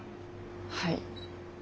はい。